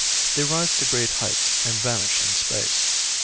They rise to great heights and vanish in space.